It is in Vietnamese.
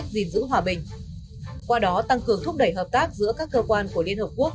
gìn giữ hòa bình qua đó tăng cường thúc đẩy hợp tác giữa các cơ quan của liên hợp quốc